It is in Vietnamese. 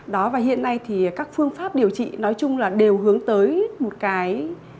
đó và hiện nay thì các phương pháp điều trị nói chung là đều hướng tới một cái